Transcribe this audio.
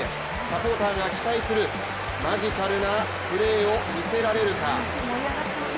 サポーターが期待するマジカルなプレーを見せられるか。